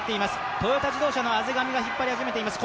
トヨタ自動車の畔上が引っ張り始めています。